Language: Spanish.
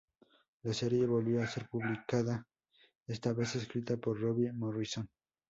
La serie volvió a ser publicada, esta vez escrita por Robbie Morrison.